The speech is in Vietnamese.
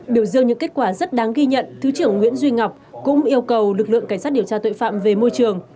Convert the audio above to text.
biểu dương những kết quả rất đáng ghi nhận thứ trưởng nguyễn duy ngọc cũng yêu cầu lực lượng cảnh sát điều tra tội phạm về môi trường